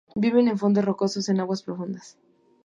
Vive en fondos rocosos, en aguas profundas.